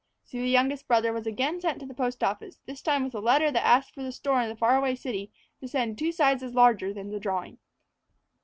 So the youngest brother was again sent to the post office, this time with a letter that asked the store in a far away city to send two sizes larger than the drawing.